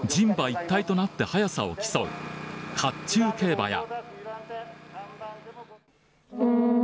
一体となって速さを競うかっちゅう競馬や。